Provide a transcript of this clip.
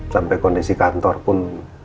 sampai kondisi kantor pun